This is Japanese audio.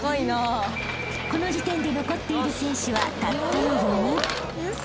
［この時点で残っている選手はたったの４人］